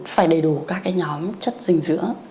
phải đầy đủ các nhóm chất dinh dưỡng